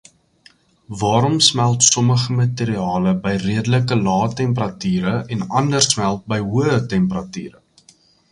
Waarom smelt sommige materiale by redelike lae temperature en ander smelt by hoë temperature?